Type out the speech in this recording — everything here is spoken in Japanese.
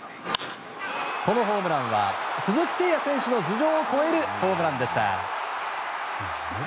このホームランは鈴木誠也選手の頭上を越えるホームランでした。